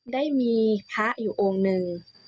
ได้มีพระอยู่องค์หนึ่ง